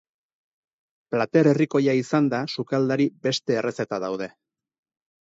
Plater herrikoia izanda sukaldari beste errezeta daude.